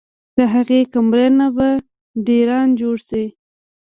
د هغې کمرې نه به ډېران جوړ شي